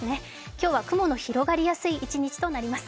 今日は雲の広がりやすい一日となります。